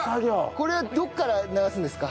これどこから流すんですか？